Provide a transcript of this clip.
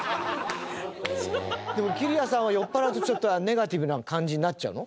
でもきりやさんは酔っ払うとちょっとネガティブな感じになっちゃうの？